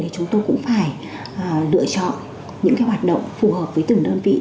chúng tôi cũng phải lựa chọn những hoạt động phù hợp với từng đơn vị